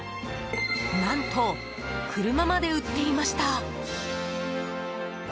何と車まで売っていました！